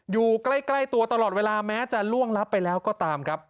อยู่ใกล้ตัวตลอดเวลาแม้จะล่วงลับไปแล้วก็ตามครับ